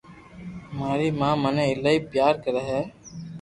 ماري ماِہ مني ايلائي پيار ڪري ھي